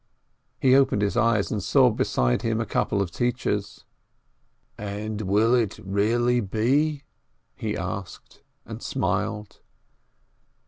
He opened his eyes, and saw beside him a couple of teachers. "And will it really be?" he asked and smiled.